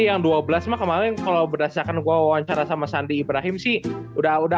yang dua belas mah kemarin kalau berdasarkan gue wawancara sama sandi ibrahim sih udah udah